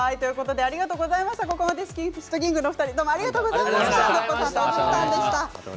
ここまでシットキングスの２人ありがとうございました。